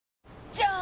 じゃーん！